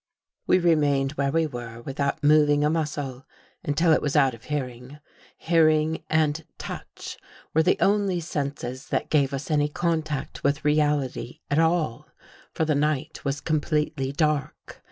| We remained where we were without moving a \ muscle, until it was out of hearing. Hearing and | touch were the only senses that gave us any contact j with reality at all, for the night was completely 1 dark.